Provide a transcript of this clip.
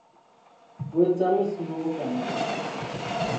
O etsang bosiu bo bokana kana?